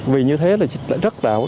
vì như thế là rất tạo